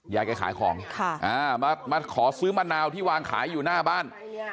ยายแกขายของมาขอซื้อมะนาวที่วางขายอยู่หน้าบ้าน